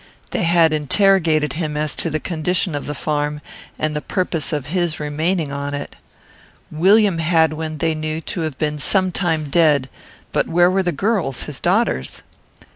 They had interrogated him as to the condition of the farm, and the purpose of his remaining on it. William Hadwin they knew to have been some time dead; but where were the girls, his daughters?